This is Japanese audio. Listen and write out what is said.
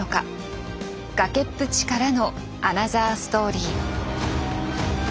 崖っぷちからのアナザーストーリー。